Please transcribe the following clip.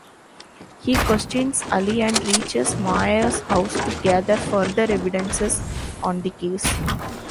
He questions Ali and reaches Maya's house to gather further evidences on the case.